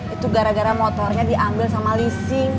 itu gara gara motornya diambil sama leasing